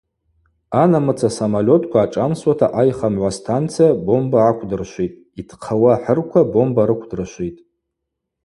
Анамыца самолетква ашӏамсуата айхамгӏва станция бомба гӏаквдыршвитӏ, йтхъауа хӏырква бомба рыквдрышвитӏ.